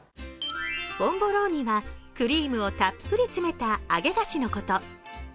ボンボローニはクリームをたっぷり詰めた揚げ菓子のこと。